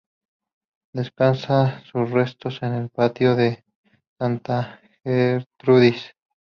Descansan sus restos en el patio de Santa Gertrudis.